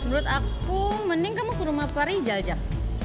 menurut aku mending kamu ke rumah pak rizal jak